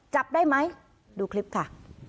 จับได้ไหมดูคลิปค่ะ